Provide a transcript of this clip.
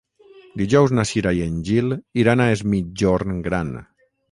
Dijous na Cira i en Gil iran a Es Migjorn Gran.